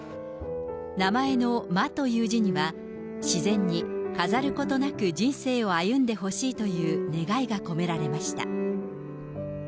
名前の眞という字には、自然に飾ることなく人生を歩んでほしいという願いが込められました。